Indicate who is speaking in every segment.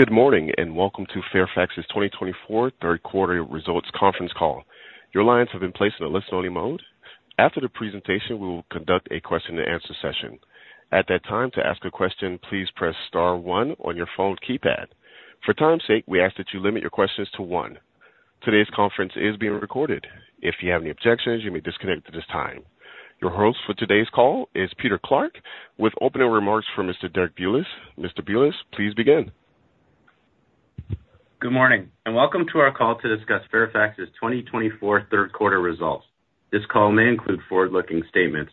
Speaker 1: Good morning and welcome to Fairfax's 2024 third quarter results conference call. Your lines have been placed in a listen-only mode. After the presentation, we will conduct a question-and-answer session. At that time, to ask a question, please press star one on your phone keypad. For time's sake, we ask that you limit your questions to one. Today's conference is being recorded. If you have any objections, you may disconnect at this time. Your host for today's call is Peter Clarke, with opening remarks from Mr. Derek Bulas. Mr. Bulas, please begin.
Speaker 2: Good morning and welcome to our call to discuss Fairfax's 2024 third quarter results. This call may include forward-looking statements.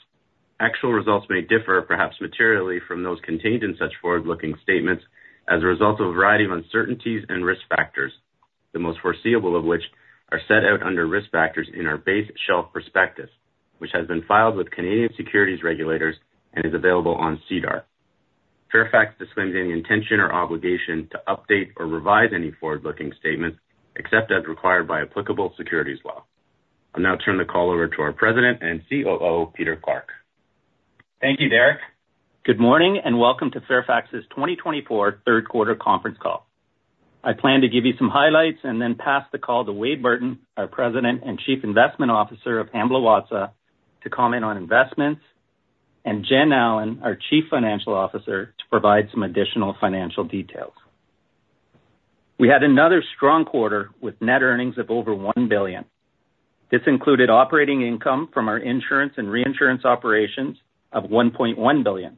Speaker 2: Actual results may differ, perhaps materially, from those contained in such forward-looking statements as a result of a variety of uncertainties and risk factors, the most foreseeable of which are set out under risk factors in our Base Shelf Prospectus, which has been filed with Canadian securities regulators and is available on SEDAR+. Fairfax disclaims any intention or obligation to update or revise any forward-looking statements except as required by applicable securities law. I'll now turn the call over to our President and COO, Peter Clarke.
Speaker 3: Thank you, Derek. Good morning and welcome to Fairfax's 2024 third quarter conference call. I plan to give you some highlights and then pass the call to Wade Burton, our President and Chief Investment Officer of Hamblin Watsa, to comment on investments, and Jen Allen, our Chief Financial Officer, to provide some additional financial details. We had another strong quarter with net earnings of over $1 billion. This included operating income from our insurance and reinsurance operations of $1.1 billion.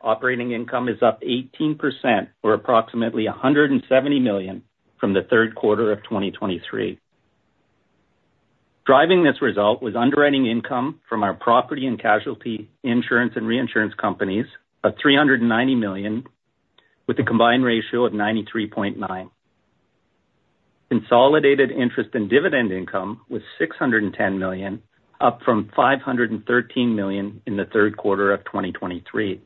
Speaker 3: Operating income is up 18%, or approximately $170 million, from the third quarter of 2023. Driving this result was underwriting income from our property and casualty insurance and reinsurance companies of $390 million, with a combined ratio of 93.9%. Consolidated interest and dividend income was $610 million, up from $513 million in the third quarter of 2023,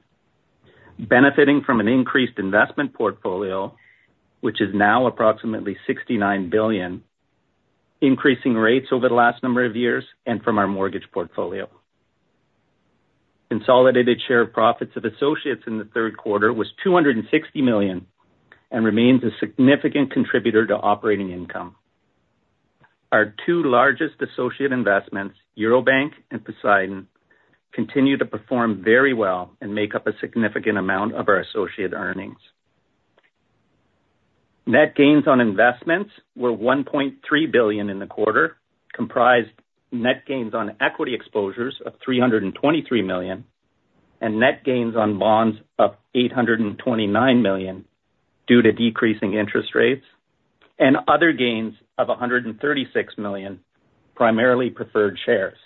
Speaker 3: benefiting from an increased investment portfolio, which is now approximately $69 billion, increasing rates over the last number of years, and from our mortgage portfolio. Consolidated share of profits of associates in the third quarter was $260 million and remains a significant contributor to operating income. Our two largest associate investments, Eurobank and Poseidon, continue to perform very well and make up a significant amount of our associate earnings. Net gains on investments were $1.3 billion in the quarter, comprised net gains on equity exposures of $323 million, and net gains on bonds of $829 million due to decreasing interest rates, and other gains of $136 million, primarily preferred shares.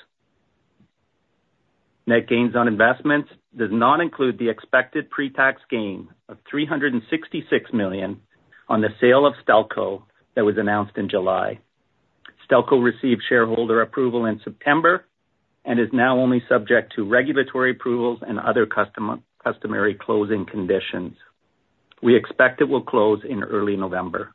Speaker 3: Net gains on investments do not include the expected pre-tax gain of $366 million on the sale of Stelco that was announced in July. Stelco received shareholder approval in September and is now only subject to regulatory approvals and other customary closing conditions. We expect it will close in early November.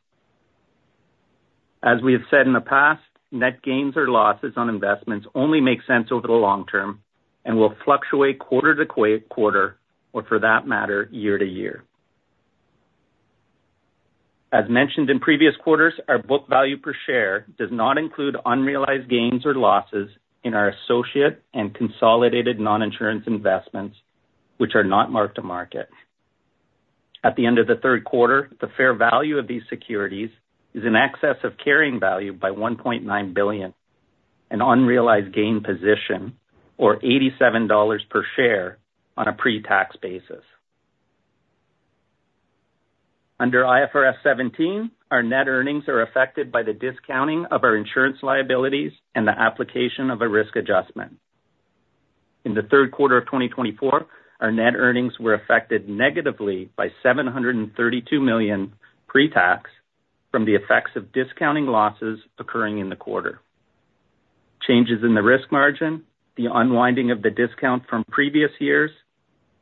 Speaker 3: As we have said in the past, net gains or losses on investments only make sense over the long term and will fluctuate quarter to quarter, or for that matter, year to year. As mentioned in previous quarters, our book value per share does not include unrealized gains or losses in our associate and consolidated non-insurance investments, which are not marked to market. At the end of the third quarter, the fair value of these securities is in excess of carrying value by $1.9 billion, an unrealized gain position, or $87 per share on a pre-tax basis. Under IFRS 17, our net earnings are affected by the discounting of our insurance liabilities and the application of a risk adjustment. In the third quarter of 2024, our net earnings were affected negatively by $732 million pre-tax from the effects of discounting losses occurring in the quarter: changes in the risk margin, the unwinding of the discount from previous years,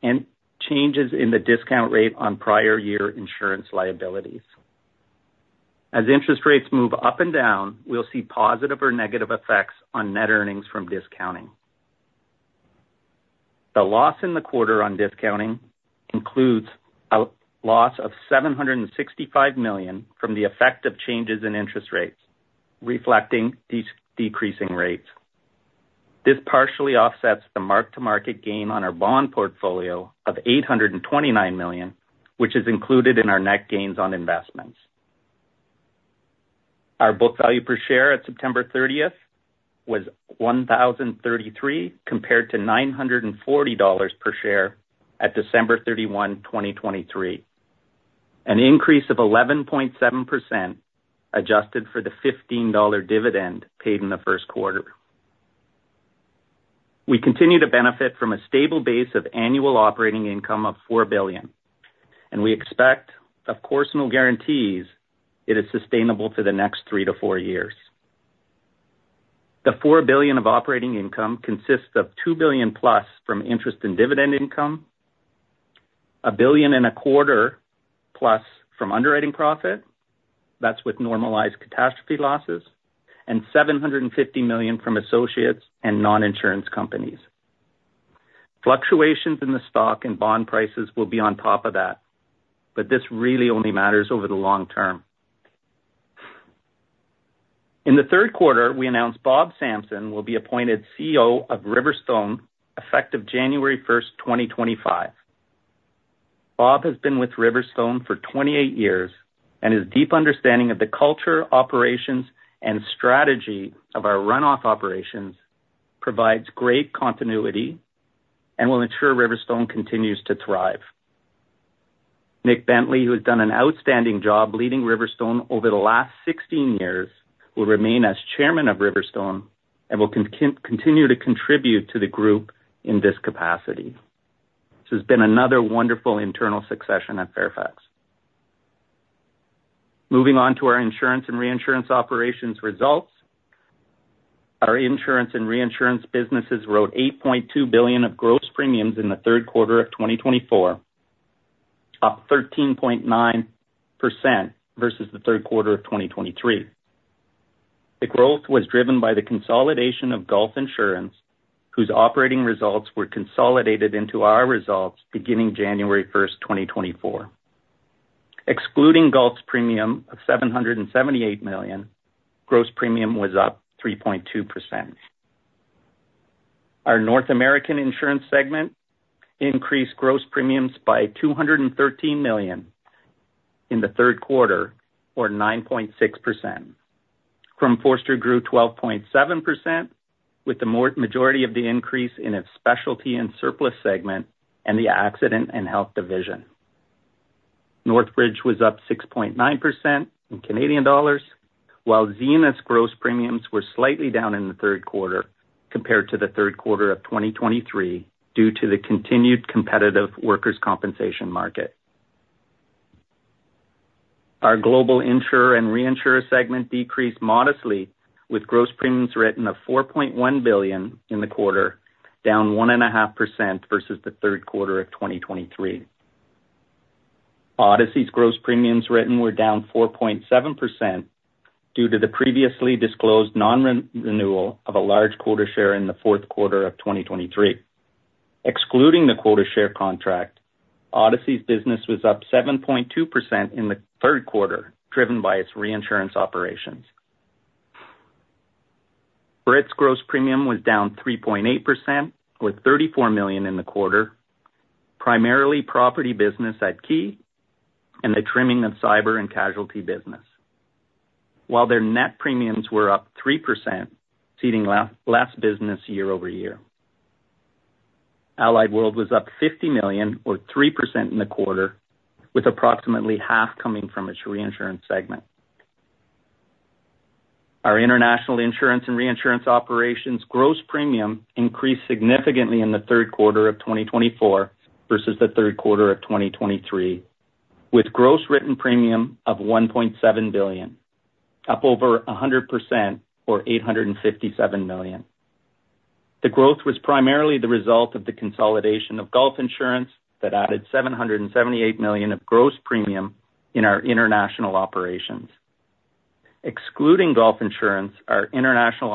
Speaker 3: and changes in the discount rate on prior year insurance liabilities. As interest rates move up and down, we'll see positive or negative effects on net earnings from discounting. The loss in the quarter on discounting includes a loss of $765 million from the effect of changes in interest rates, reflecting decreasing rates. This partially offsets the marked-to-market gain on our bond portfolio of $829 million, which is included in our net gains on investments. Our book value per share at September 30th was $1,033, compared to $940 per share at December 31, 2023, an increase of 11.7% adjusted for the $15 dividend paid in the first quarter. We continue to benefit from a stable base of annual operating income of $4 billion, and we expect, of course, no guarantees it is sustainable for the next three to four years. The $4 billion of operating income consists of $2+ billion from interest and dividend income, $1.25+ billion from underwriting profit, that's with normalized catastrophe losses, and $750 million from associates and non-insurance companies. Fluctuations in the stock and bond prices will be on top of that, but this really only matters over the long term. In the third quarter, we announced Bob Sampson will be appointed CEO of RiverStone effective January 1st, 2025. Bob has been with RiverStone for 28 years and his deep understanding of the culture, operations, and strategy of our runoff operations provides great continuity and will ensure RiverStone continues to thrive. Nick Bentley, who has done an outstanding job leading RiverStone over the last 16 years, will remain as Chairman of RiverStone and will continue to contribute to the group in this capacity. This has been another wonderful internal succession at Fairfax. Moving on to our insurance and reinsurance operations results, our insurance and reinsurance businesses wrote $8.2 billion of gross premiums in the third quarter of 2024, up 13.9% versus the third quarter of 2023. The growth was driven by the consolidation of Gulf Insurance, whose operating results were consolidated into our results beginning January 1st, 2024. Excluding Gulf's premium of $778 million, gross premium was up 3.2%. Our North American insurance segment increased gross premiums by $213 million in the third quarter, or 9.6%. Crum & Forster grew 12.7%, with the majority of the increase in its specialty and surplus segment and the accident and health division. Northbridge was up 6.9% in Canadian dollars, while Zenith's gross premiums were slightly down in the third quarter compared to the third quarter of 2023 due to the continued competitive workers' compensation market. Our global insurer and reinsurer segment decreased modestly, with gross premiums written of $4.1 billion in the quarter, down 1.5% versus the third quarter of 2023. Odyssey's gross premiums written were down 4.7% due to the previously disclosed non-renewal of a large quota share in the fourth quarter of 2023. Excluding the quota share contract, Odyssey's business was up 7.2% in the third quarter, driven by its reinsurance operations. Brit's gross premiums were down 3.8%, with $34 million in the quarter, primarily property business at Ki and the trimming of cyber and casualty business, while their net premiums were up 3%, exceeding last business year over year. Allied World was up $50 million, or 3% in the quarter, with approximately half coming from its reinsurance segment. Our international insurance and reinsurance operations gross premium increased significantly in the third quarter of 2024 versus the third quarter of 2023, with gross written premium of $1.7 billion, up over 100%, or $857 million. The growth was primarily the result of the consolidation of Gulf Insurance that added $778 million of gross premium in our international operations. Excluding Gulf Insurance, our international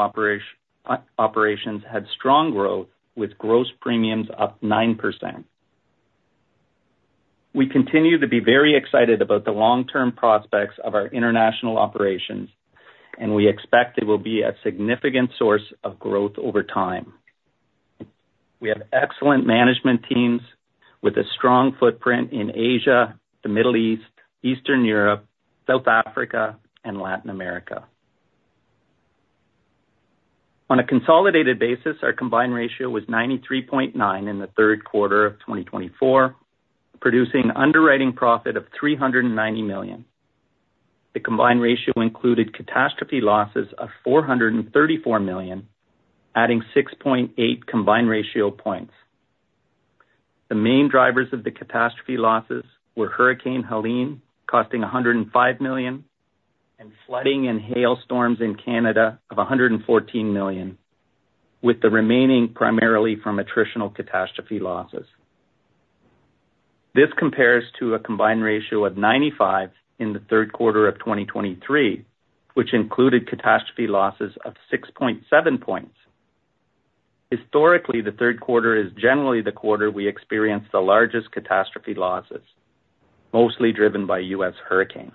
Speaker 3: operations had strong growth, with gross premiums up 9%. We continue to be very excited about the long-term prospects of our international operations, and we expect it will be a significant source of growth over time. We have excellent management teams with a strong footprint in Asia, the Middle East, Eastern Europe, South Africa, and Latin America. On a consolidated basis, our combined ratio was 93.9 in the third quarter of 2024, producing an underwriting profit of $390 million. The combined ratio included catastrophe losses of $434 million, adding 6.8 combined ratio points. The main drivers of the catastrophe losses were Hurricane Helene, costing $105 million, and flooding and hailstorms in Canada of $114 million, with the remaining primarily from attritional catastrophe losses. This compares to a combined ratio of 95 in the third quarter of 2023, which included catastrophe losses of 6.7 points. Historically, the third quarter is generally the quarter we experienced the largest catastrophe losses, mostly driven by U.S. hurricanes.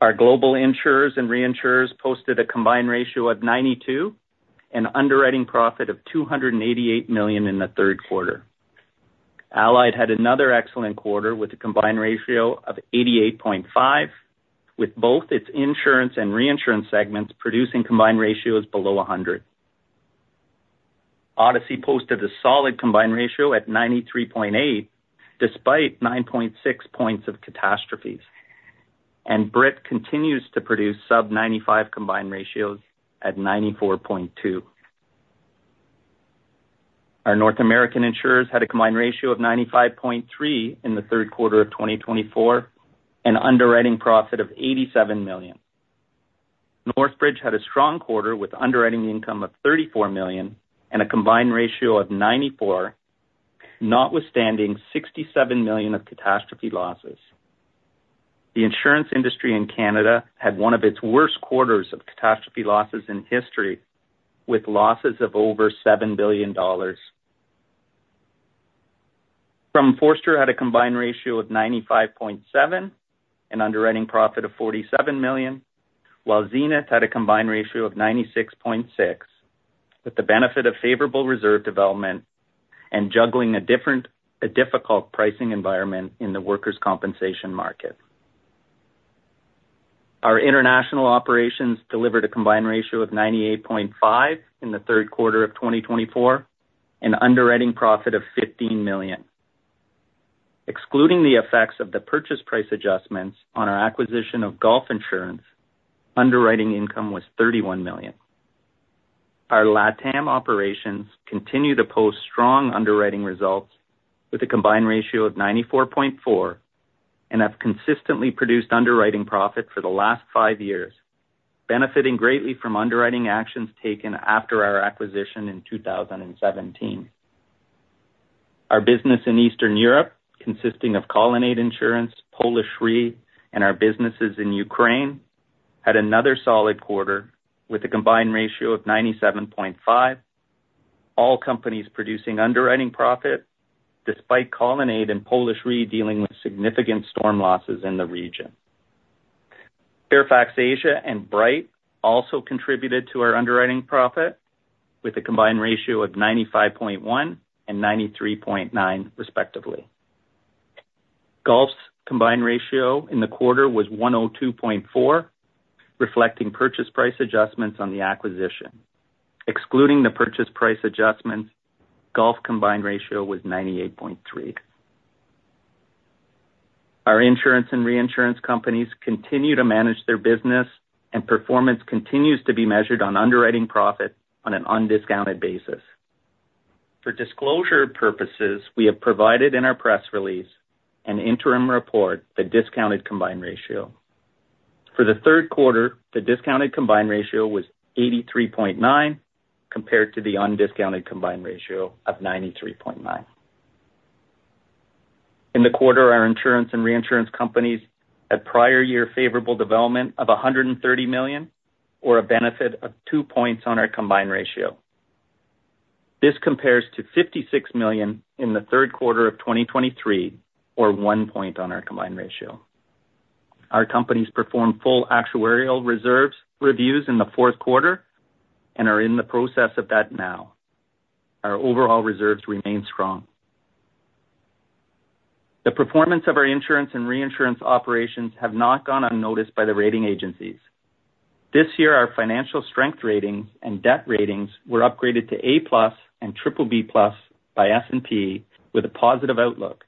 Speaker 3: Our global insurers and reinsurers posted a combined ratio of 92 and an underwriting profit of $288 million in the third quarter. Allied had another excellent quarter with a combined ratio of 88.5, with both its insurance and reinsurance segments producing combined ratios below 100. Odyssey posted a solid combined ratio at 93.8, despite 9.6 points of catastrophes, and Brit continues to produce sub-95 combined ratios at 94.2. Our North American insurers had a combined ratio of 95.3 in the third quarter of 2024 and an underwriting profit of $87 million. Northbridge had a strong quarter with underwriting income of $34 million and a combined ratio of 94, notwithstanding $67 million of catastrophe losses. The insurance industry in Canada had one of its worst quarters of catastrophe losses in history, with losses of over $7 billion. Crum & Forster had a combined ratio of 95.7 and an underwriting profit of $47 million, while Zenith had a combined ratio of 96.6, with the benefit of favorable reserve development and juggling a difficult pricing environment in the workers' compensation market. Our international operations delivered a combined ratio of 98.5 in the third quarter of 2024 and an underwriting profit of $15 million. Excluding the effects of the purchase price adjustments on our acquisition of Gulf Insurance, underwriting income was $31 million. Our LATAM operations continue to post strong underwriting results with a combined ratio of 94.4 and have consistently produced underwriting profit for the last five years, benefiting greatly from underwriting actions taken after our acquisition in 2017. Our business in Eastern Europe, consisting of Colonnade Insurance, Polish Re, and our businesses in Ukraine, had another solid quarter with a combined ratio of 97.5, all companies producing underwriting profit despite Colonnade and Polish Re dealing with significant storm losses in the region. Fairfax Asia and Brit also contributed to our underwriting profit with a combined ratio of 95.1 and 93.9, respectively. Gulf's combined ratio in the quarter was 102.4, reflecting purchase price adjustments on the acquisition. Excluding the purchase price adjustments, Gulf's combined ratio was 98.3. Our insurance and reinsurance companies continue to manage their business, and performance continues to be measured on underwriting profit on an undiscounted basis. For disclosure purposes, we have provided in our press release an interim report: the discounted combined ratio. For the third quarter, the discounted combined ratio was 83.9 compared to the undiscounted combined ratio of 93.9. In the quarter, our insurance and reinsurance companies had prior year favorable development of $130 million, or a benefit of 2 points on our combined ratio. This compares to $56 million in the third quarter of 2023, or 1 point on our combined ratio. Our companies performed full actuarial reserves reviews in the fourth quarter and are in the process of that now. Our overall reserves remain strong. The performance of our insurance and reinsurance operations has not gone unnoticed by the rating agencies. This year, our financial strength ratings and debt ratings were upgraded to A+ and BBB+ by S&P, with a positive outlook.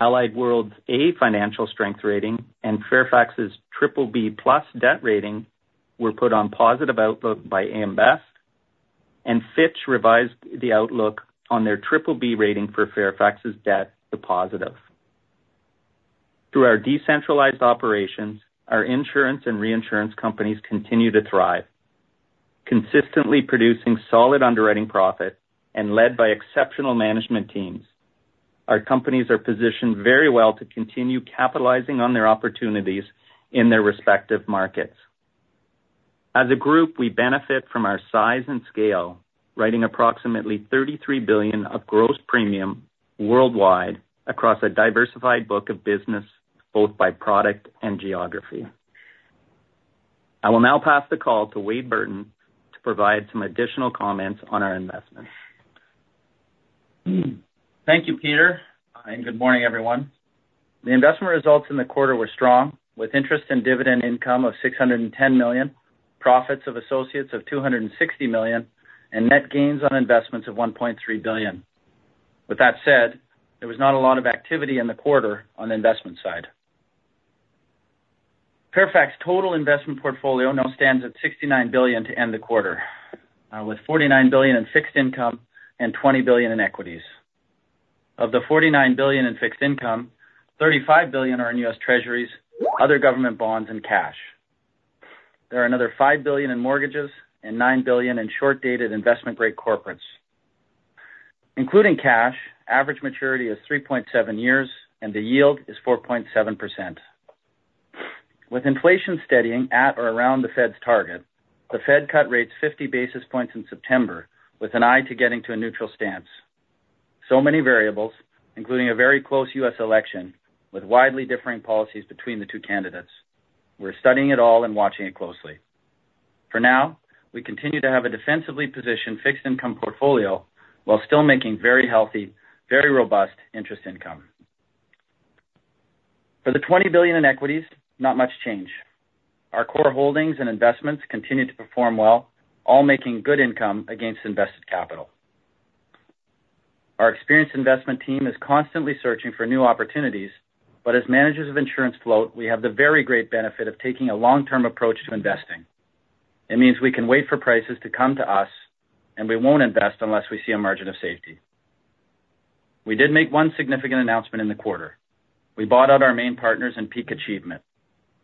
Speaker 3: Allied World's A financial strength rating and Fairfax's BBB+ debt rating were put on positive outlook by AM Best, and Fitch revised the outlook on their BBB rating for Fairfax's debt to positive. Through our decentralized operations, our insurance and reinsurance companies continue to thrive, consistently producing solid underwriting profit and led by exceptional management teams. Our companies are positioned very well to continue capitalizing on their opportunities in their respective markets. As a group, we benefit from our size and scale, writing approximately $33 billion of gross premiums worldwide across a diversified book of business, both by product and geography. I will now pass the call to Wade Burton to provide some additional comments on our investments.
Speaker 4: Thank you, Peter. Good morning, everyone. The investment results in the quarter were strong, with interest and dividend income of $610 million, profits of associates of $260 million, and net gains on investments of $1.3 billion. With that said, there was not a lot of activity in the quarter on the investment side. Fairfax's total investment portfolio now stands at $69 billion to end the quarter, with $49 billion in fixed income and $20 billion in equities. Of the $49 billion in fixed income, $35 billion are in U.S. Treasuries, other government bonds, and cash. There are another $5 billion in mortgages and $9 billion in short-dated investment-grade corporates. Including cash, average maturity is 3.7 years, and the yield is 4.7%. With inflation steadying at or around the Fed's target, the Fed cut rates 50 basis points in September, with an eye to getting to a neutral stance. So many variables, including a very close U.S. election with widely differing policies between the two candidates. We're studying it all and watching it closely. For now, we continue to have a defensively positioned fixed income portfolio while still making very healthy, very robust interest income. For the $20 billion in equities, not much change. Our core holdings and investments continue to perform well, all making good income against invested capital. Our experienced investment team is constantly searching for new opportunities, but as managers of insurance float, we have the very great benefit of taking a long-term approach to investing. It means we can wait for prices to come to us, and we won't invest unless we see a margin of safety. We did make one significant announcement in the quarter. We bought out our main partners in Peak Achievement,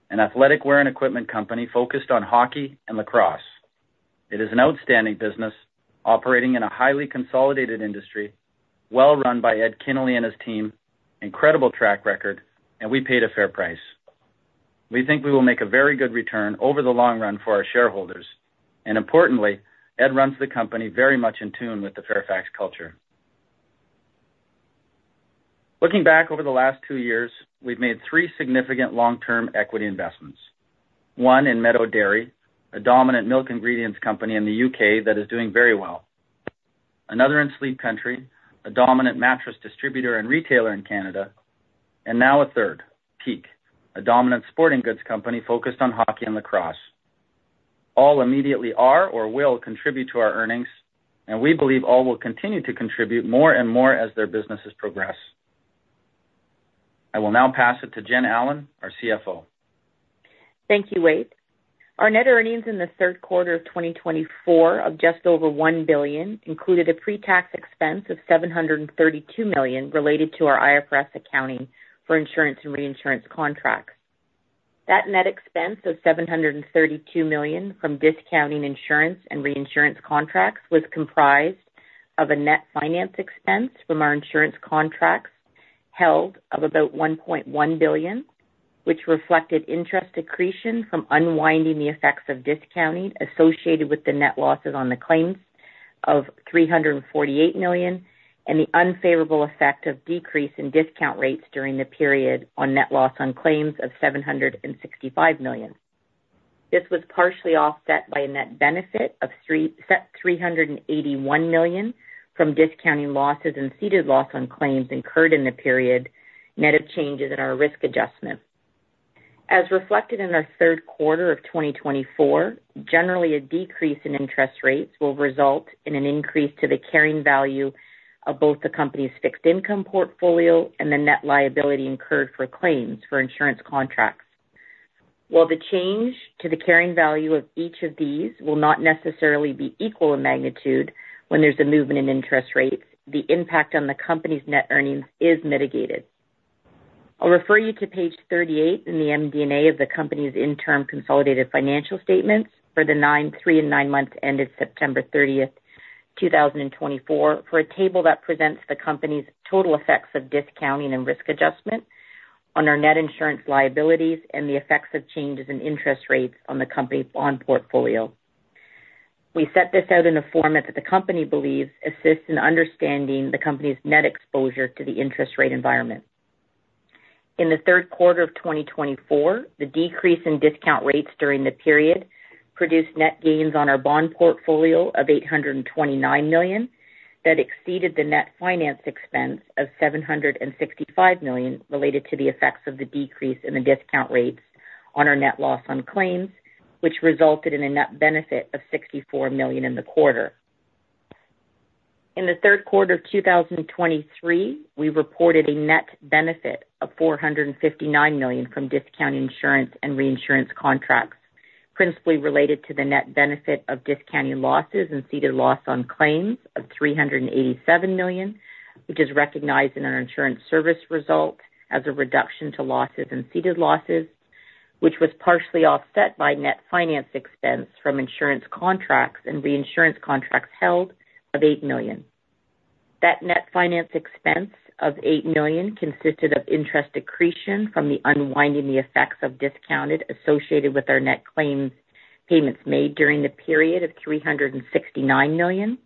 Speaker 4: an athletic wear and equipment company focused on hockey and lacrosse. It is an outstanding business, operating in a highly consolidated industry, well run by Ed Kinnaly and his team, incredible track record, and we paid a fair price. We think we will make a very good return over the long run for our shareholders, and importantly, Ed runs the company very much in tune with the Fairfax culture. Looking back over the last two years, we've made three significant long-term equity investments: one in Meadow Foods, a dominant milk ingredients company in the U.K. that is doing very well. Another in Sleep Country, a dominant mattress distributor and retailer in Canada. And now a third, Peak, a dominant sporting goods company focused on hockey and lacrosse. All immediately are or will contribute to our earnings, and we believe all will continue to contribute more and more as their businesses progress. I will now pass it to Jen Allen, our CFO.
Speaker 5: Thank you, Wade. Our net earnings in the third quarter of 2024 of just over $1 billion included a pre-tax expense of $732 million related to our IFRS accounting for insurance and reinsurance contracts. That net expense of $732 million from discounting insurance and reinsurance contracts was comprised of a net finance expense from our insurance contracts held of about $1.1 billion, which reflected interest accretion from unwinding the effects of discounting associated with the net losses on the claims of $348 million and the unfavorable effect of decrease in discount rates during the period on net loss on claims of $765 million. This was partially offset by a net benefit of $381 million from discounting losses and ceded loss on claims incurred in the period, net of changes in our risk adjustment. As reflected in our third quarter of 2024, generally a decrease in interest rates will result in an increase to the carrying value of both the company's fixed income portfolio and the net liability incurred for claims for insurance contracts. While the change to the carrying value of each of these will not necessarily be equal in magnitude when there's a movement in interest rates, the impact on the company's net earnings is mitigated. I'll refer you to page 38 in the MD&A of the company's interim consolidated financial statements for the three and nine months ended September 30th, 2024, for a table that presents the company's total effects of discounting and risk adjustment on our net insurance liabilities and the effects of changes in interest rates on the company bond portfolio. We set this out in a format that the company believes assists in understanding the company's net exposure to the interest rate environment. In the third quarter of 2024, the decrease in discount rates during the period produced net gains on our bond portfolio of $829 million that exceeded the net finance expense of $765 million related to the effects of the decrease in the discount rates on our net loss on claims, which resulted in a net benefit of $64 million in the quarter. In the third quarter of 2023, we reported a net benefit of $459 million from discounting insurance and reinsurance contracts, principally related to the net benefit of discounting losses and ceded loss on claims of $387 million, which is recognized in our insurance service result as a reduction to losses and ceded losses, which was partially offset by net finance expense from insurance contracts and reinsurance contracts held of $8 million. That net finance expense of $8 million consisted of interest accretion from the unwinding of the effects of discounting associated with our net claims payments made during the period of $369 million,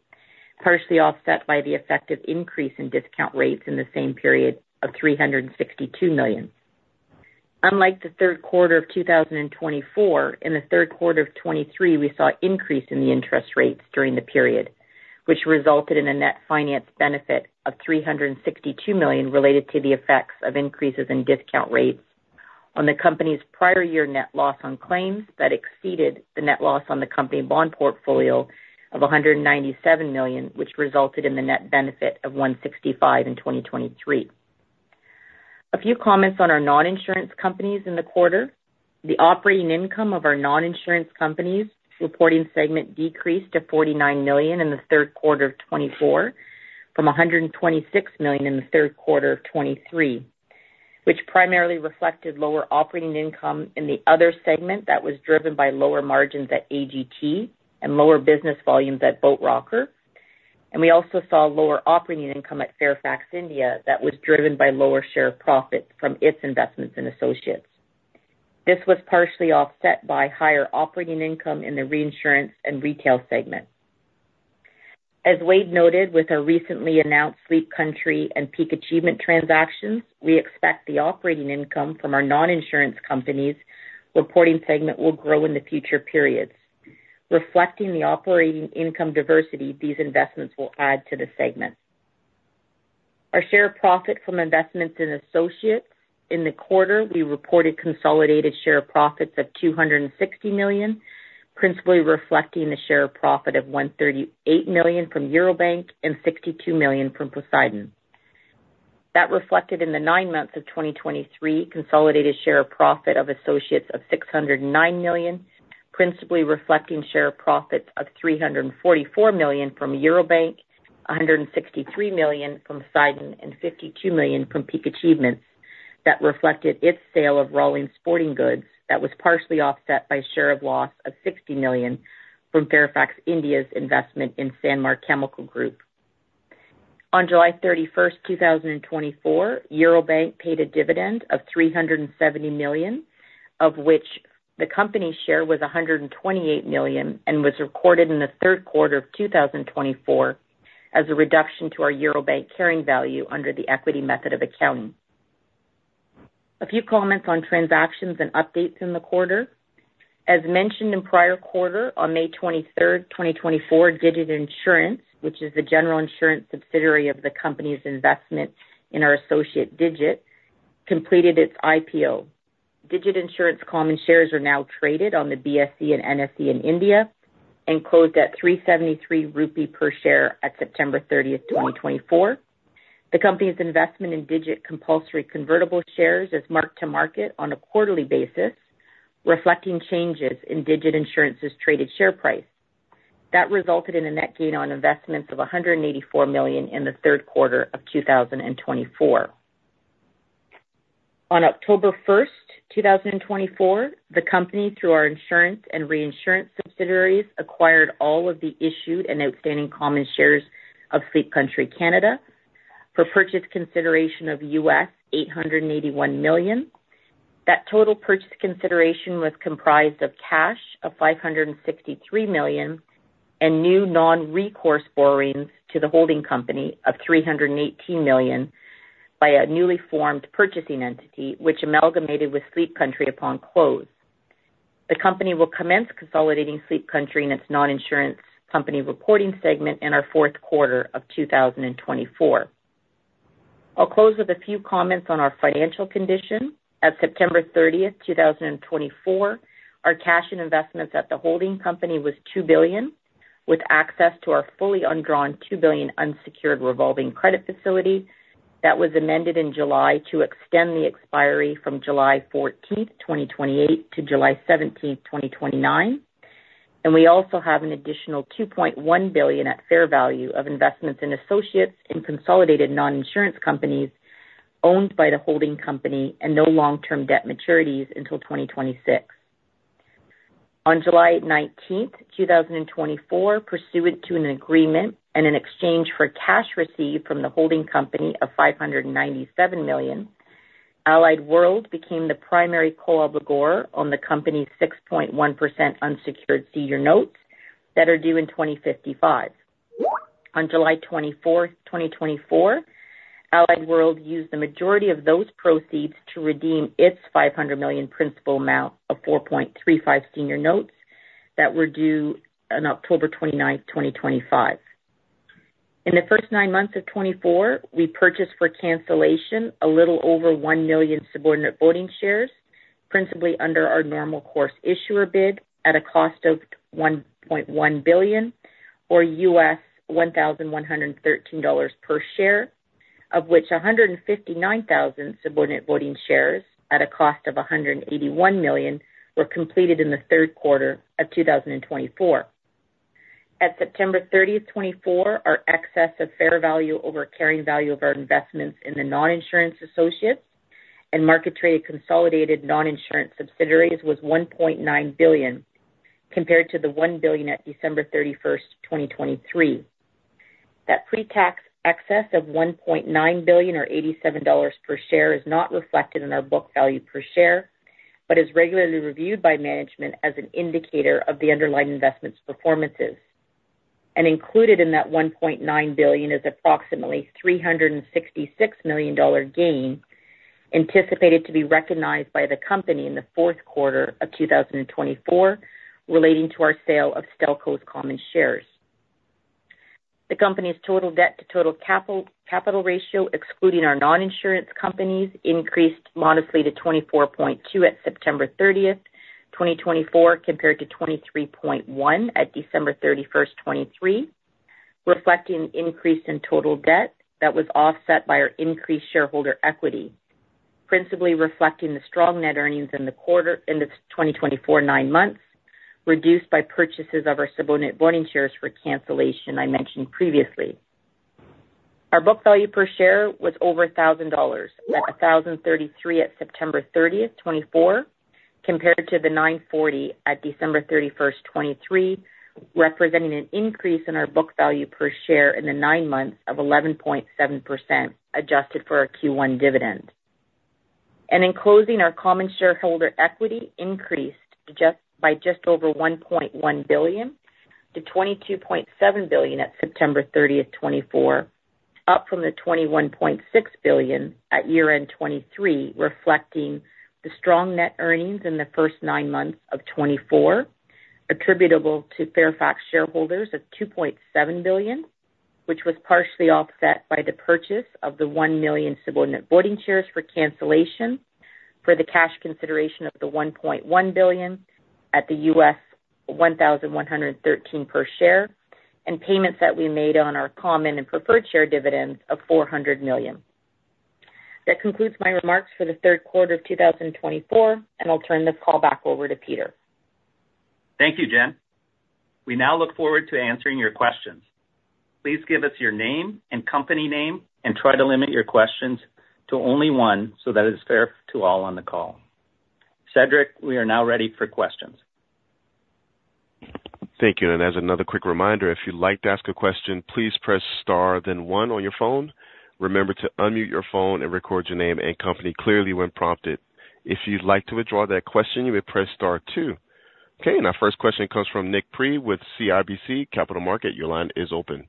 Speaker 5: partially offset by the effect of increase in discount rates in the same period of $362 million. Unlike the third quarter of 2024, in the third quarter of 2023, we saw an increase in the interest rates during the period, which resulted in a net finance benefit of $362 million related to the effects of increases in discount rates on the company's prior year net loss on claims that exceeded the net loss on the company bond portfolio of $197 million, which resulted in the net benefit of $165 million in 2023. A few comments on our non-insurance companies in the quarter. The operating income of our non-insurance companies reporting segment decreased to $49 million in the third quarter of 2024 from $126 million in the third quarter of 2023, which primarily reflected lower operating income in the other segment that was driven by lower margins at AGT and lower business volumes at Boat Rocker. We also saw lower operating income at Fairfax India that was driven by lower share of profits from its investments and associates. This was partially offset by higher operating income in the reinsurance and retail segment. As Wade noted, with our recently announced Sleep Country and Peak Achievement transactions, we expect the operating income from our non-insurance companies reporting segment will grow in the future periods. Reflecting the operating income diversity, these investments will add to the segment. Our share of profit from investments in associates in the quarter. We reported consolidated share of profits of $260 million, principally reflecting the share of profit of $138 million from Eurobank and $62 million from Poseidon. That reflected in the nine months of 2023, consolidated share of profit of associates of $609 million, principally reflecting share of profits of $344 million from Eurobank, $163 million from Poseidon, and $52 million from Peak Achievement. That reflected its sale of Rawlings Sporting Goods that was partially offset by share of loss of $60 million from Fairfax India's investment in Sanmar Chemicals Group. On July 31st, 2024, Eurobank paid a dividend of $370 million, of which the company share was $128 million and was recorded in the third quarter of 2024 as a reduction to our Eurobank carrying value under the equity method of accounting. A few comments on transactions and updates in the quarter. As mentioned in prior quarter, on May 23rd, 2024, Digit Insurance, which is the general insurance subsidiary of the company's investment in our associate Digit, completed its IPO. Digit Insurance Common Shares are now traded on the BSE and NSE in India and closed at 373 rupee per share at September 30th, 2024. The company's investment in Digit Compulsory Convertible Shares is marked to market on a quarterly basis, reflecting changes in Digit Insurance's traded share price. That resulted in a net gain on investments of $184 million in the third quarter of 2024. On October 1st, 2024, the company, through our insurance and reinsurance subsidiaries, acquired all of the issued and outstanding common shares of Sleep Country Canada for purchase consideration of $881 million. That total purchase consideration was comprised of cash of $563 million and new non-recourse borrowings to the holding company of $318 million by a newly formed purchasing entity, which amalgamated with Sleep Country upon close. The company will commence consolidating Sleep Country in its non-insurance company reporting segment in our fourth quarter of 2024. I'll close with a few comments on our financial condition. At September 30th, 2024, our cash and investments at the holding company was $2 billion, with access to our fully undrawn $2 billion unsecured revolving credit facility that was amended in July to extend the expiry from July 14th, 2028, to July 17th, 2029, and we also have an additional $2.1 billion at fair value of investments in associates and consolidated non-insurance companies owned by the holding company and no long-term debt maturities until 2026. On July 19th, 2024, pursuant to an agreement and an exchange for cash received from the holding company of $597 million, Allied World became the primary co-obligor on the company's 6.1% unsecured senior notes that are due in 2055. On July 24th, 2024, Allied World used the majority of those proceeds to redeem its $500 million principal amount of 4.35% senior notes that were due on October 29th, 2025. In the first nine months of 2024, we purchased for cancellation a little over 1 million Subordinate Voting Shares, principally under our normal course issuer bid at a cost of $1.1 billion or U.S. $1,113 per share, of which 159,000 Subordinate Voting Shares at a cost of $181 million were completed in the third quarter of 2024. At September 30th, 2024, our excess of fair value over carrying value of our investments in the non-insurance associates and market-traded consolidated non-insurance subsidiaries was $1.9 billion, compared to the $1 billion at December 31st, 2023. That pre-tax excess of $1.9 billion or $87 per share is not reflected in our book value per share, but is regularly reviewed by management as an indicator of the underlying investment's performance. Included in that $1.9 billion is approximately $366 million gain anticipated to be recognized by the company in the fourth quarter of 2024 relating to our sale of Stelco's common shares. The company's total debt to total capital ratio, excluding our non-insurance companies, increased modestly to 24.2 at September 30th, 2024, compared to 23.1 at December 31st, 2023, reflecting an increase in total debt that was offset by our increased shareholder equity, principally reflecting the strong net earnings in the quarter in the 2024 nine months reduced by purchases of our Subordinate Voting Shares for cancellation I mentioned previously. Our book value per share was over $1,000 at $1,033 at September 30th, 2024, compared to the $940 at December 31st, 2023, representing an increase in our book value per share in the nine months of 11.7% adjusted for our Q1 dividend. And in closing, our common shareholder equity increased by just over $1.1 billion to $22.7 billion at September 30th, 2024, up from the $21.6 billion at year-end 2023, reflecting the strong net earnings in the first nine months of 2024, attributable to Fairfax shareholders of $2.7 billion, which was partially offset by the purchase of 1 million Subordinate Voting Shares for cancellation for the cash consideration of $1.1 billion at U.S. $1,113 per share and payments that we made on our common and preferred share dividends of $400 million. That concludes my remarks for the third quarter of 2024, and I'll turn this call back over to Peter.
Speaker 3: Thank you, Jen. We now look forward to answering your questions. Please give us your name and company name and try to limit your questions to only one so that it is fair to all on the call. Cedric, we are now ready for questions.
Speaker 1: Thank you. And as another quick reminder, if you'd like to ask a question, please press star, then one on your phone. Remember to unmute your phone and record your name and company clearly when prompted. If you'd like to withdraw that question, you may press star two. Okay. And our first question comes from Nik Priebe with CIBC Capital Markets. Your line is open.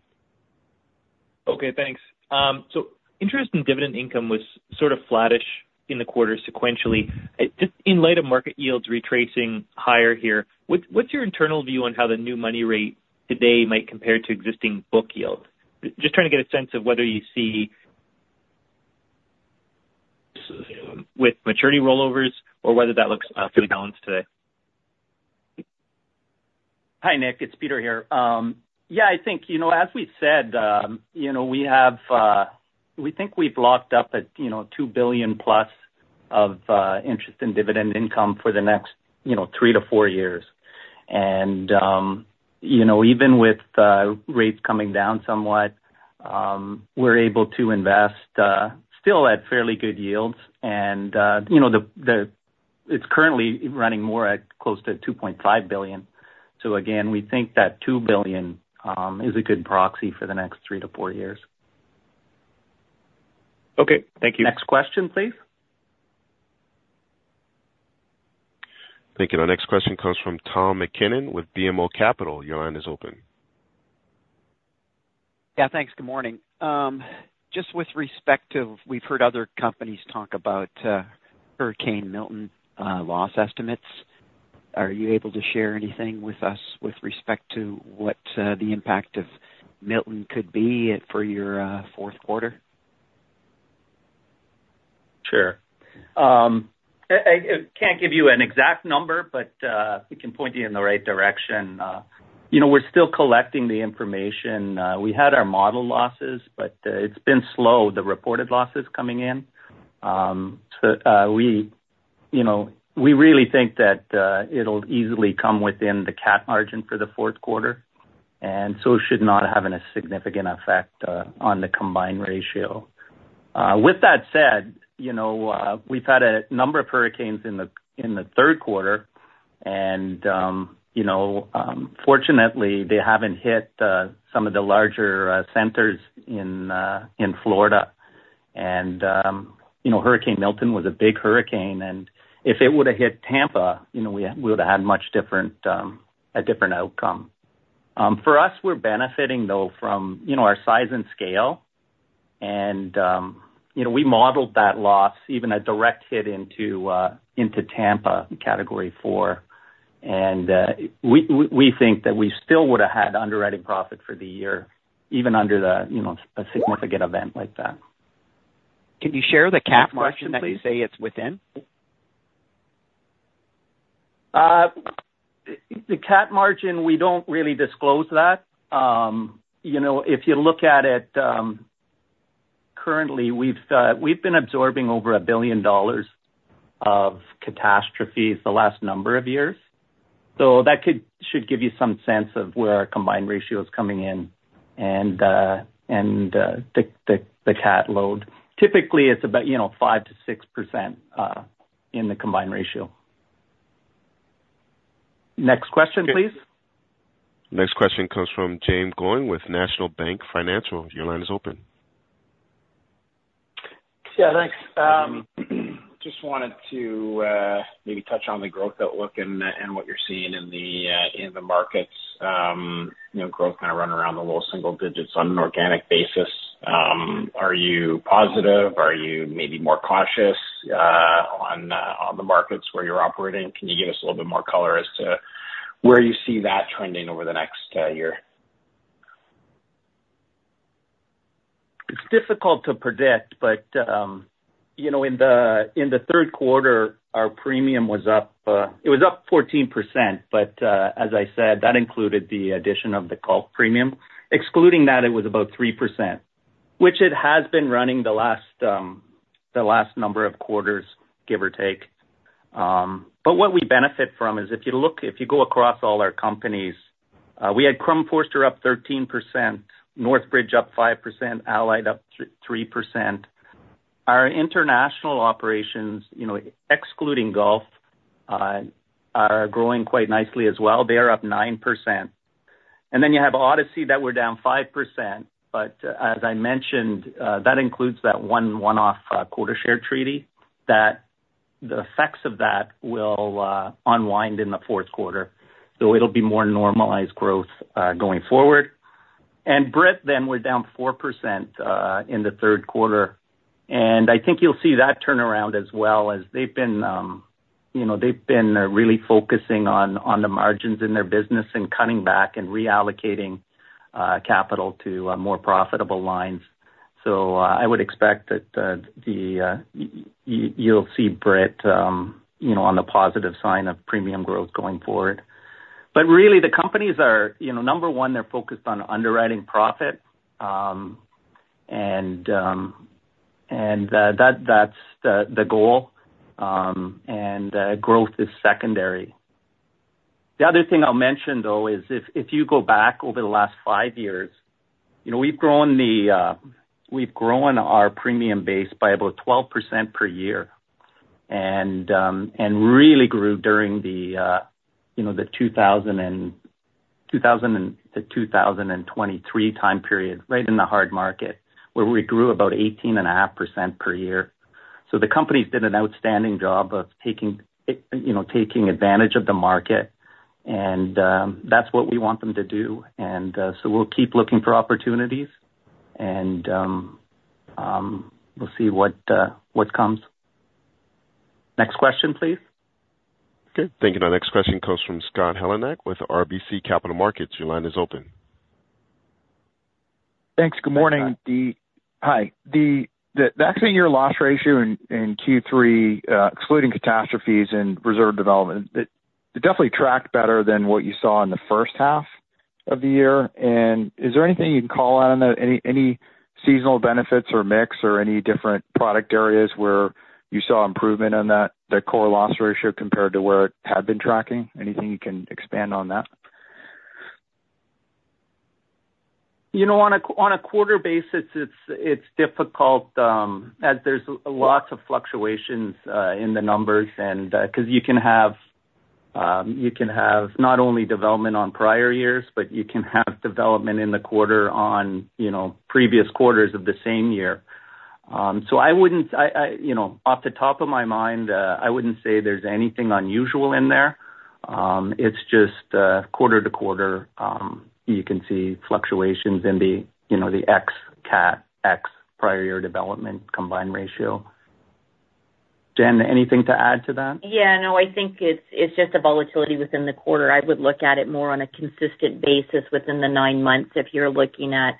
Speaker 6: Okay. Thanks. So interest and dividend income was sort of flattish in the quarter sequentially. Just in light of market yields retracing higher here, what's your internal view on how the new money rate today might compare to existing book yield? Just trying to get a sense of whether you see with maturity rollovers or whether that looks fairly balanced today.
Speaker 3: Hi, Nik. It's Peter here. Yeah, I think, as we said, we think we've locked up at $2+ billion of interest in dividend income for the next three to four years. And even with rates coming down somewhat, we're able to invest still at fairly good yields. And it's currently running more at close to $2.5 billion. So again, we think that $2 billion is a good proxy for the next three to four years.
Speaker 6: Okay. Thank you.
Speaker 3: Next question, please.
Speaker 1: Thank you. Our next question comes from Tom MacKinnon with BMO Capital. Your line is open.
Speaker 7: Yeah. Thanks. Good morning. Just with respect to, we've heard other companies talk about Hurricane Milton loss estimates. Are you able to share anything with us with respect to what the impact of Milton could be for your fourth quarter?
Speaker 3: Sure. I can't give you an exact number, but we can point you in the right direction. We're still collecting the information. We had our model losses, but it's been slow, the reported losses coming in. So we really think that it'll easily come within the cap margin for the fourth quarter, and so it should not have a significant effect on the combined ratio. With that said, we've had a number of hurricanes in the third quarter, and fortunately, they haven't hit some of the larger centers in Florida, and Hurricane Milton was a big hurricane, and if it would have hit Tampa, we would have had a different outcome. For us, we're benefiting, though, from our size and scale, and we modeled that loss even a direct hit into Tampa in category four. And we think that we still would have had underwriting profit for the year, even under a significant event like that.
Speaker 7: Can you share the cap margin that you say it's within?
Speaker 3: The cap margin, we don't really disclose that. If you look at it currently, we've been absorbing over $1 billion of catastrophes the last number of years. So that should give you some sense of where our combined ratio is coming in and the cap load. Typically, it's about 5%-6% in the combined ratio. Next question, please.
Speaker 7: Thank you.
Speaker 1: Next question comes from Jaeme Gloyn with National Bank Financial. Your line is open.
Speaker 8: Yeah. Thanks. Just wanted to maybe touch on the growth outlook and what you're seeing in the markets. Growth kind of running around the low single digits on an organic basis. Are you positive? Are you maybe more cautious on the markets where you're operating? Can you give us a little bit more color as to where you see that trending over the next year?
Speaker 3: It's difficult to predict, but in the third quarter, our premium was up. It was up 14%, but as I said, that included the addition of the Gulf premium. Excluding that, it was about 3%, which it has been running the last number of quarters, give or take. But what we benefit from is if you go across all our companies, we had Crum & Forster up 13%, Northbridge up 5%, Allied up 3%. Our international operations, excluding Gulf, are growing quite nicely as well. They are up 9%. And then you have Odyssey that were down 5%, but as I mentioned, that includes that one-off quota share treaty that the effects of that will unwind in the fourth quarter. So it'll be more normalized growth going forward. Brit then were down 4% in the third quarter. I think you'll see that turnaround as well as they've been really focusing on the margins in their business and cutting back and reallocating capital to more profitable lines. I would expect that you'll see Brit on the positive side of premium growth going forward. Really, the companies are, number one, focused on underwriting profit, and that's the goal. Growth is secondary. The other thing I'll mention, though, is if you go back over the last five years, we've grown our premium base by about 12% per year and really grew during the 2023 time period, right in the hard market, where we grew about 18.5% per year. So the companies did an outstanding job of taking advantage of the market, and that's what we want them to do. And so we'll keep looking for opportunities, and we'll see what comes. Next question, please. Okay.
Speaker 1: Thank you. Our next question comes from Scott Heleniak with RBC Capital Markets. Your line is open.
Speaker 9: Thanks. Good morning. Hi. The exit year loss ratio in Q3, excluding catastrophes and reserve development, definitely tracked better than what you saw in the first half of the year, and is there anything you can call on that? Any seasonal benefits or mix or any different product areas where you saw improvement on that core loss ratio compared to where it had been tracking? Anything you can expand on that?
Speaker 3: On a quarter basis, it's difficult as there's lots of fluctuations in the numbers because you can have not only development on prior years, but you can have development in the quarter on previous quarters of the same year. So off the top of my mind, I wouldn't say there's anything unusual in there. It's just quarter to quarter, you can see fluctuations in the ex-cat, ex-prior year development combined ratio. Jen, anything to add to that?
Speaker 5: Yeah. No, I think it's just a volatility within the quarter. I would look at it more on a consistent basis within the nine months. If you're looking at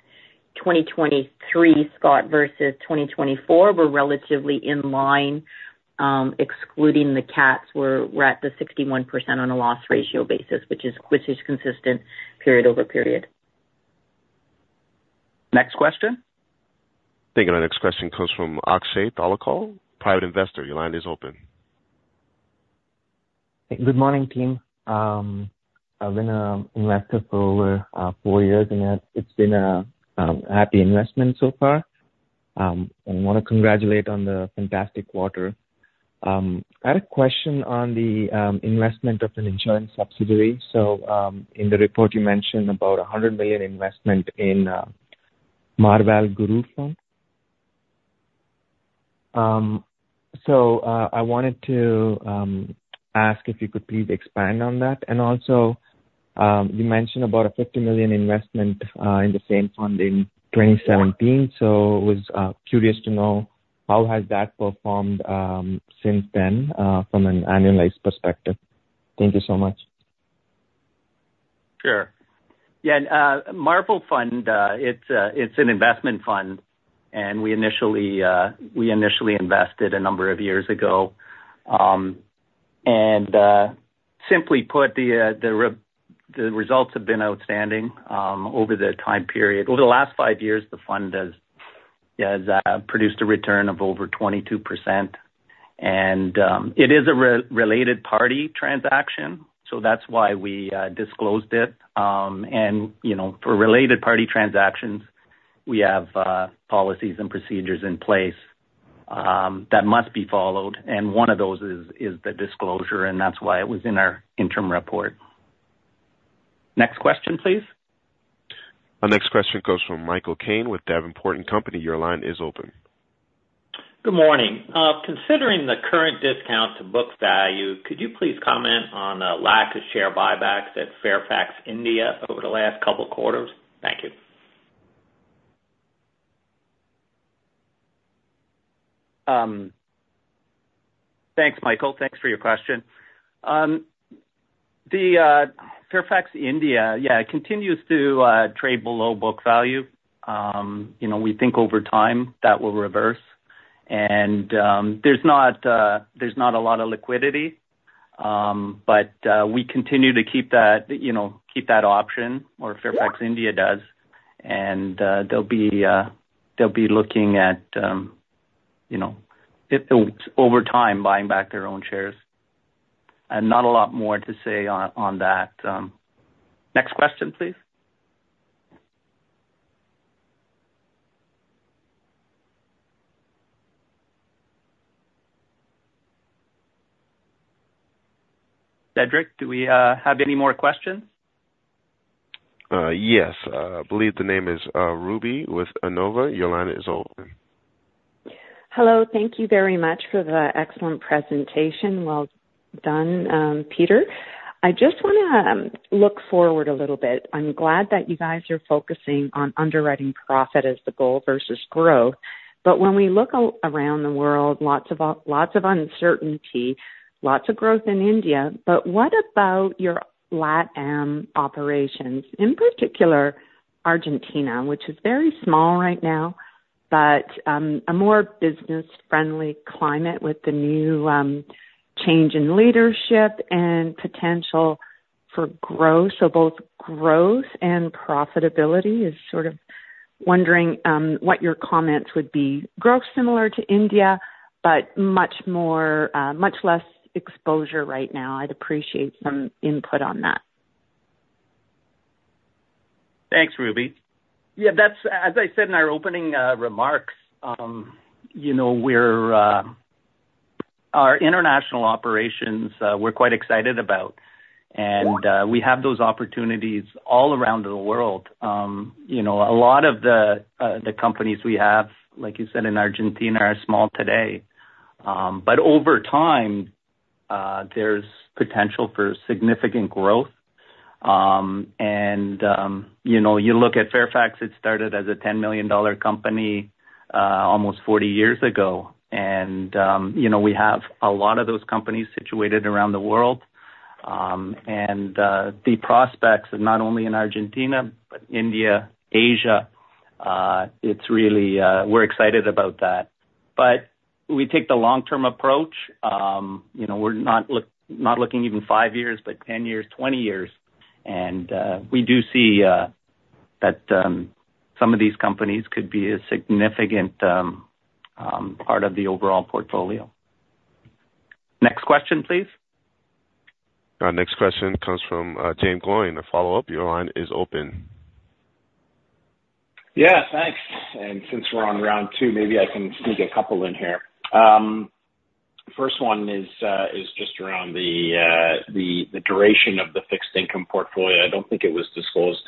Speaker 5: 2023, Scott versus 2024, we're relatively in line. Excluding the caps, we're at the 61% on a loss ratio basis, which is consistent period over period.
Speaker 3: Next question.
Speaker 1: Thank you. Our next question comes from Akshay Dholakia, private investor. Your line is open. Good morning, team. I've been an investor for over four years, and it's been a happy investment so far, and I want to congratulate on the fantastic quarter. I had a question on the investment of an insurance subsidiary, so in the report, you mentioned about a $100 million investment in Marval Guru Fund. So I wanted to ask if you could please expand on that, and also, you mentioned about a $50 million investment in the same fund in 2017, so I was curious to know how has that performed since then from an annualized perspective. Thank you so much.
Speaker 3: Sure. Yeah. Marval Fund, it's an investment fund, and we initially invested a number of years ago. And simply put, the results have been outstanding over the time period. Over the last five years, the fund has produced a return of over 22%. And it is a related-party transaction, so that's why we disclosed it. And for related-party transactions, we have policies and procedures in place that must be followed. And one of those is the disclosure, and that's why it was in our interim report. Next question, please.
Speaker 1: Our next question comes from Michael Kane with Davenport & Company. Your line is open.
Speaker 10: Good morning. Considering the current discount to book value, could you please comment on the lack of share buybacks at Fairfax India over the last couple of quarters? Thank you.
Speaker 3: Thanks, Michael. Thanks for your question. The Fairfax India, yeah, continues to trade below book value. We think over time that will reverse. And there's not a lot of liquidity, but we continue to keep that option, or Fairfax India does. And they'll be looking at, over time, buying back their own shares. And not a lot more to say on that. Next question, please. Cedric, do we have any more questions?
Speaker 1: Yes. I believe the name is Ruby with Anova. Your line is open. Hello. Thank you very much for the excellent presentation. Well done, Peter. I just want to look forward a little bit. I'm glad that you guys are focusing on underwriting profit as the goal versus growth. But when we look around the world, lots of uncertainty, lots of growth in India. But what about your LATAM operations, in particular Argentina, which is very small right now, but a more business-friendly climate with the new change in leadership and potential for growth? So both growth and profitability. I was sort of wondering what your comments would be. Growth similar to India, but much less exposure right now. I'd appreciate some input on that.
Speaker 3: Thanks, Ruby. Yeah. As I said in our opening remarks, our international operations, we're quite excited about. And we have those opportunities all around the world. A lot of the companies we have, like you said, in Argentina are small today. But over time, there's potential for significant growth. And you look at Fairfax, it started as a $10 million company almost 40 years ago. And we have a lot of those companies situated around the world. And the prospects are not only in Argentina, but India, Asia. We're excited about that. But we take the long-term approach. We're not looking even five years, but 10 years, 20 years. And we do see that some of these companies could be a significant part of the overall portfolio. Next question, please.
Speaker 1: Our next question comes from Jaeme Gloyn with a follow-up. Your line is open.
Speaker 8: Yeah. Thanks. And since we're on round two, maybe I can sneak a couple in here. First one is just around the duration of the fixed-income portfolio. I don't think it was disclosed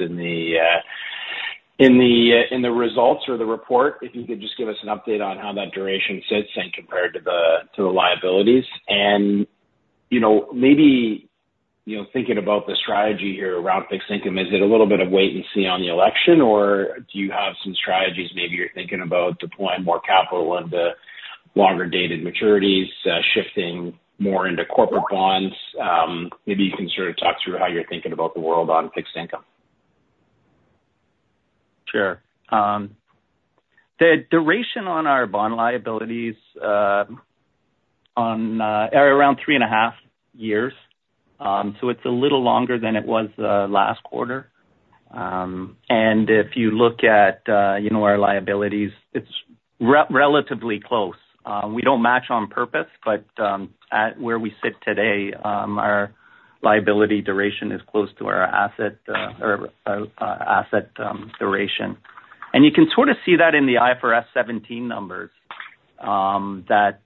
Speaker 8: in the results or the report. If you could just give us an update on how that duration sits and compared to the liabilities. And maybe thinking about the strategy here around fixed income, is it a little bit of wait and see on the election, or do you have some strategies? Maybe you're thinking about deploying more capital into longer-dated maturities, shifting more into corporate bonds. Maybe you can sort of talk through how you're thinking about the world on fixed income.
Speaker 3: Sure. The duration on our bond liabilities are around three and a half years. So it's a little longer than it was last quarter. And if you look at our liabilities, it's relatively close. We don't match on purpose, but where we sit today, our liability duration is close to our asset duration. And you can sort of see that in the IFRS 17 numbers that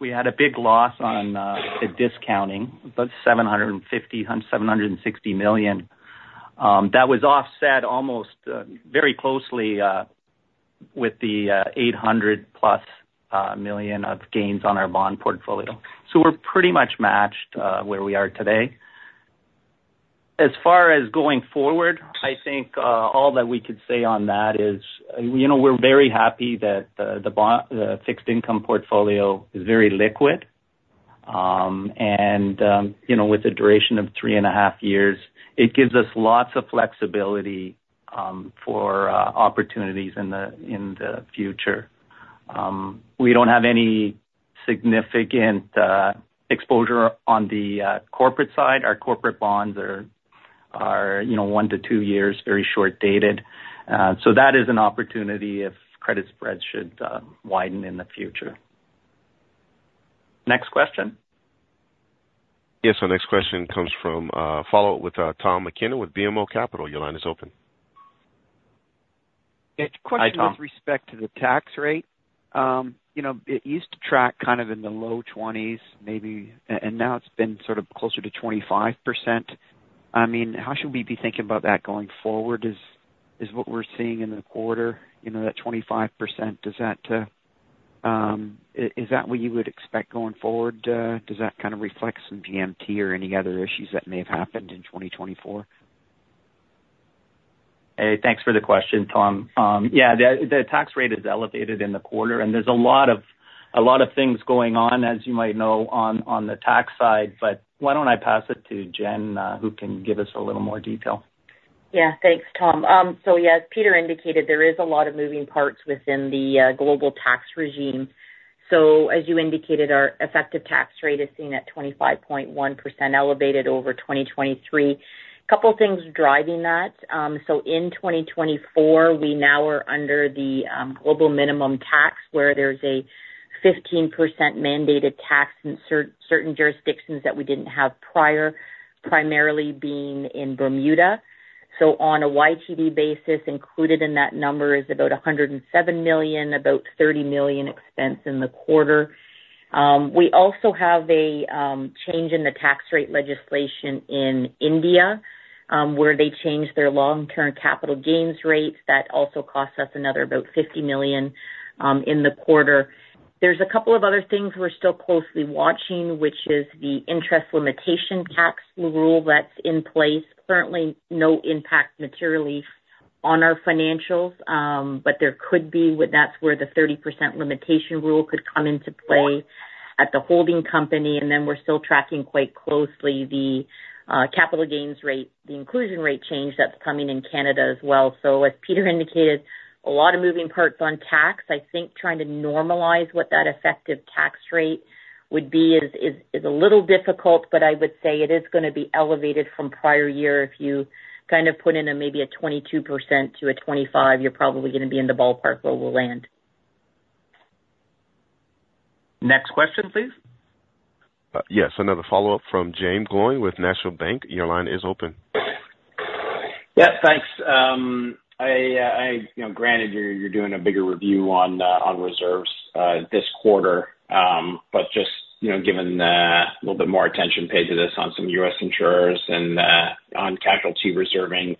Speaker 3: we had a big loss on the discounting, about $750-$760 million. That was offset almost very closely with the $800+ million of gains on our bond portfolio. So we're pretty much matched where we are today. As far as going forward, I think all that we could say on that is we're very happy that the fixed-income portfolio is very liquid. And with a duration of three and a half years, it gives us lots of flexibility for opportunities in the future. We don't have any significant exposure on the corporate side. Our corporate bonds are one to two years, very short-dated. So that is an opportunity if credit spreads should widen in the future. Next question.
Speaker 1: Yes. Our next question comes from a follow-up with Tom MacKinnon with BMO Capital. Your line is open.
Speaker 7: Question with respect to the tax rate. It used to track kind of in the low 20s, maybe, and now it's been sort of closer to 25%. I mean, how should we be thinking about that going forward is what we're seeing in the quarter, that 25%. Is that what you would expect going forward? Does that kind of reflect some GMT or any other issues that may have happened in 2024?
Speaker 3: Thanks for the question, Tom. Yeah. The tax rate is elevated in the quarter, and there's a lot of things going on, as you might know, on the tax side. But why don't I pass it to Jen, who can give us a little more detail?
Speaker 5: Yeah. Thanks, Tom. So yeah, as Peter indicated, there is a lot of moving parts within the global tax regime. So as you indicated, our effective tax rate is seen at 25.1%, elevated over 2023. A couple of things driving that. So in 2024, we now are under the global minimum tax, where there's a 15% mandated tax in certain jurisdictions that we didn't have prior, primarily being in Bermuda. So on a YTD basis, included in that number is about $107 million, about $30 million expense in the quarter. We also have a change in the tax rate legislation in India, where they changed their long-term capital gains rates that also cost us another about $50 million in the quarter. There's a couple of other things we're still closely watching, which is the interest limitation tax rule that's in place. Currently, no impact materially on our financials, but there could be when that's where the 30% limitation rule could come into play at the holding company. And then we're still tracking quite closely the capital gains rate, the inclusion rate change that's coming in Canada as well. So as Peter indicated, a lot of moving parts on tax. I think trying to normalize what that effective tax rate would be is a little difficult, but I would say it is going to be elevated from prior year. If you kind of put in a maybe a 22%-25%, you're probably going to be in the ballpark where we'll land.
Speaker 3: Next question, please.
Speaker 1: Yes. Another follow-up from Jaeme Gloyn with National Bank Financial. Your line is open.
Speaker 8: Yeah. Thanks. Granted, you're doing a bigger review on reserves this quarter, but just given a little bit more attention paid to this on some U.S. insurers and on casualty reserving,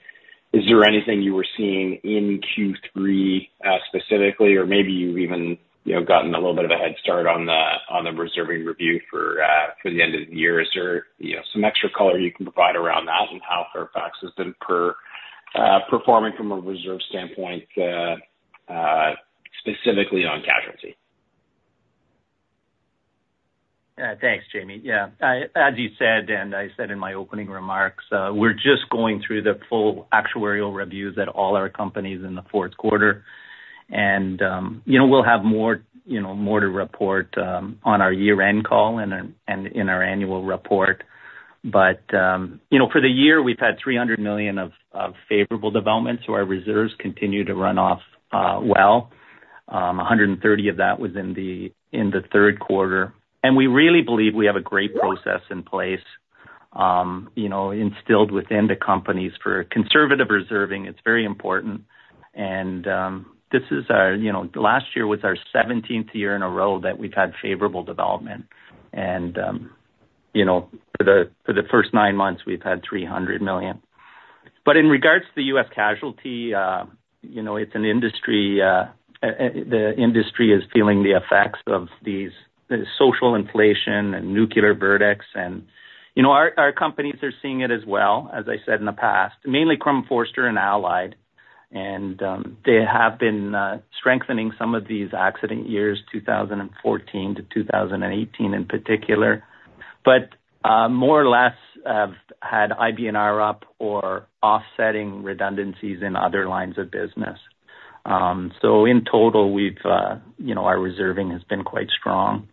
Speaker 8: is there anything you were seeing in Q3 specifically, or maybe you've even gotten a little bit of a head start on the reserving review for the end of the year? Is there some extra color you can provide around that and how Fairfax has been performing from a reserve standpoint, specifically on casualty?
Speaker 3: Thanks, Jamie. Yeah. As you said, and I said in my opening remarks, we're just going through the full actuarial reviews at all our companies in the fourth quarter. And we'll have more to report on our year-end call and in our annual report. But for the year, we've had $300 million of favorable developments, so our reserves continue to run off well. $130 million of that was in the third quarter. And we really believe we have a great process in place instilled within the companies for conservative reserving. It's very important. And this is our last year was our 17th year in a row that we've had favorable development. And for the first nine months, we've had $300 million. But in regards to the U.S. casualty, it's an industry is feeling the effects of these social inflation and nuclear verdicts. Our companies are seeing it as well, as I said in the past, mainly Crum & Forster and Allied. They have been strengthening some of these accident years, 2014 to 2018 in particular, but more or less have had IBNR up or offsetting redundancies in other lines of business. So in total, our reserving has been quite strong.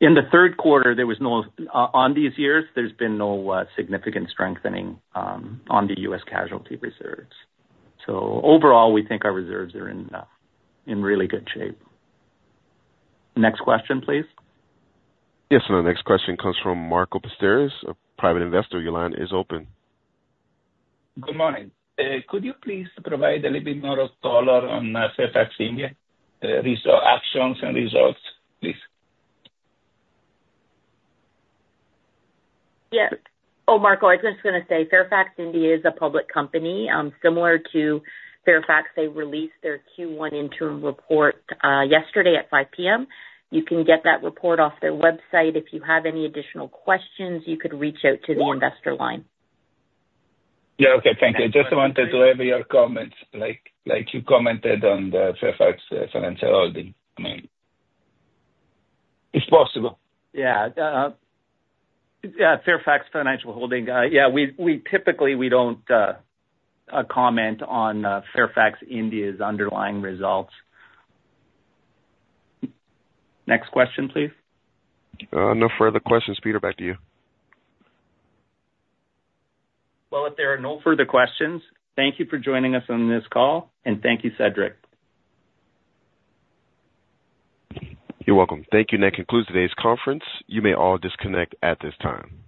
Speaker 3: In the third quarter, there was no action on these years. There's been no significant strengthening on the U.S. casualty reserves. So overall, we think our reserves are in really good shape. Next question, please.
Speaker 1: Yes. Our next question comes from Marco Pistorius, a private investor. Your line is open. Good morning. Could you please provide a little bit more color on Fairfax India actions and results, please?
Speaker 5: Yes. Oh, Marco, I was just going to say Fairfax India is a public company. Similar to Fairfax, they released their Q1 interim report yesterday at 5:00 P.M. You can get that report off their website. If you have any additional questions, you could reach out to the investor line. Yeah. Okay. Thank you. Just wanted to have your comments, like you commented on the Fairfax Financial Holdings. I mean, it's possible.
Speaker 3: Yeah. Fairfax Financial Holdings. Yeah. Typically, we don't comment on Fairfax India's underlying results. Next question, please.
Speaker 1: No further questions. Peter, back to you.
Speaker 3: Well, if there are no further questions, thank you for joining us on this call. And thank you, Cedric.
Speaker 1: You're welcome. Thank you. And that concludes today's conference. You may all disconnect at this time.